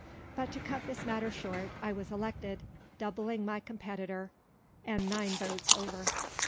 But to cut this matter short, I was elected, doubling my competitor, and nine votes over.